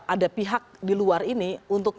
ada pihak di luar ini untuk